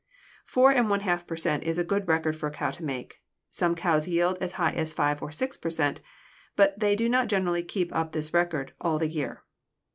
Four and one half per cent is a good record for a cow to make. Some cows yield as high as five or six per cent but they do not generally keep up this record all the year.